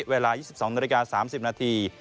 เวลา๒๒นาฬิกา๓๐นาที